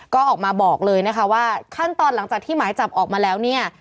ก็ออกมาบอกเลยนะคะว่าขั้นตอนหลังจากที่หมายจับออกมาแล้วเนี่ย